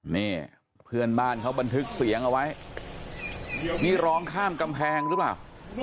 นี่เพื่อนบ้านเขาบันทึกเสียงเอาไว้นี่ร้องข้ามกำแพงหรือเปล่า